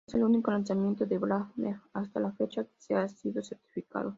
Es el único lanzamiento de Brand New hasta la fecha que ha sido certificado.